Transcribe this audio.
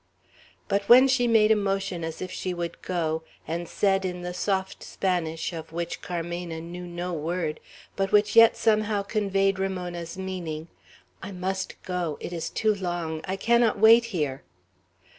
But when she made a motion as if she would go, and said in the soft Spanish, of which Carmena knew no word, but which yet somehow conveyed Ramona's meaning, "I must go! It is too long! I cannot wait here!"